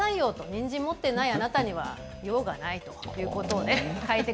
にんじんを持っていないあなたには用がないということで。